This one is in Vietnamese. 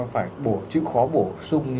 phải bổ chữ khó bổ sung